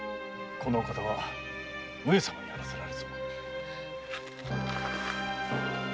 このお方は上様にあらせられるぞ。